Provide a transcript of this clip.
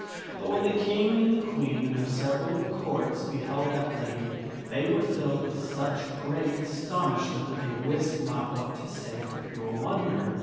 But when the King and the Queen and their several Courts beheld that lady, they were filled with such great astonishment that they wist not what to say for pure wonder.